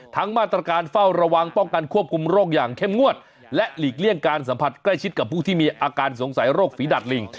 มาตรการเฝ้าระวังป้องกันควบคุมโรคอย่างเข้มงวดและหลีกเลี่ยงการสัมผัสใกล้ชิดกับผู้ที่มีอาการสงสัยโรคฝีดัดลิง